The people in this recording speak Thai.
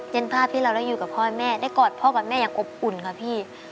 เป็นภาพที่เราได้อยู่กับพ่อให้แม่ได้กอดพ่อกับแม่อย่างอบอุ่นค่ะพี่